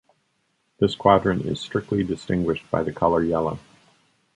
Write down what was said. This quadrant is strictly distinguished by the color yellow.